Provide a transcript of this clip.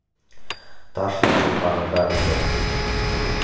Ташла шул ҡағыҙҙарыңды!